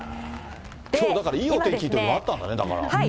きょうだからいいお天気のところもあったんだね。